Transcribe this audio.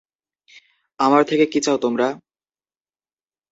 আমার থেকে কি চাও তোমরা?